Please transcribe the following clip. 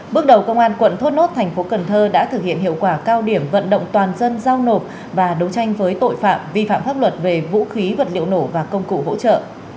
bước đầu công an quận thốt nốt thành phố cần thơ đã thực hiện hiệu quả cao điểm vận động toàn dân giao nộp và đấu tranh với tội phạm vi phạm pháp luật về vũ khí vật liệu nổ và công cụ hỗ trợ